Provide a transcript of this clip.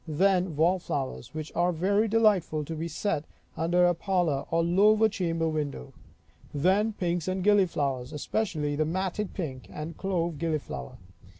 Then wall flowers, which are very delightful to be set under a parlor or lower chamber window. Then pinks and gilliflowers, especially the matted pink and clove gilliflower.